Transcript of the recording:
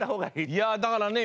いやだからね